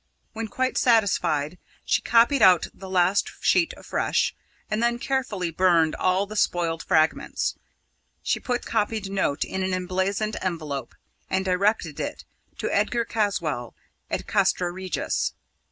When quite satisfied, she copied out the last sheet afresh, and then carefully burned all the spoiled fragments. She put the copied note in an emblazoned envelope, and directed it to Edgar Caswall at Castra Regis.